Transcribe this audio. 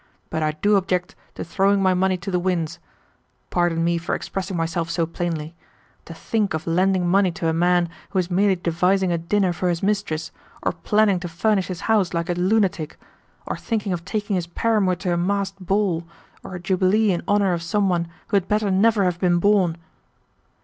But I do object to throwing my money to the winds. Pardon me for expressing myself so plainly. To think of lending money to a man who is merely devising a dinner for his mistress, or planning to furnish his house like a lunatic, or thinking of taking his paramour to a masked ball or a jubilee in honour of some one who had better never have been born!"